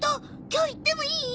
今日行ってもいい？